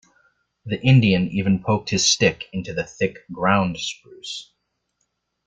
The Indian even poked his stick into the thick ground spruce.